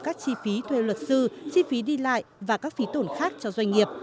các chi phí thuê luật sư chi phí đi lại và các phí tổn khác cho doanh nghiệp